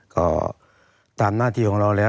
ก็ตามหน้าที่ของเราแล้ว